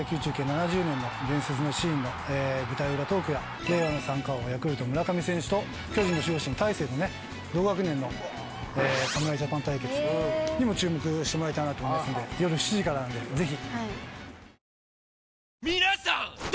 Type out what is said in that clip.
７０年の伝説のシーンの舞台裏トークや令和の三冠王ヤクルト・村上選手と巨人の守護神大勢の同学年の侍ジャパン対決にも注目してもらいたいなと思いますので夜７時からなのでぜひ！